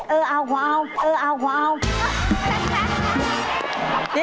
เออเอาว้าวเออเอาว้าว